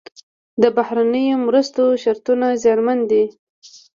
د بهرنیو مرستو شرطونه زیانمن دي.